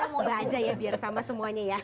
mbak aja ya biar sama semuanya ya